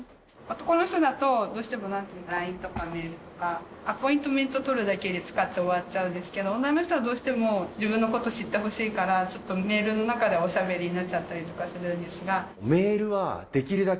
男の人だとどうしてもＬＩＮＥとかメールとかアポイントメント取るだけで使って終わっちゃうんですけど女の人はどうしても自分のこと知ってほしいからメールの中でおしゃべりになっちゃったりとかするんですが。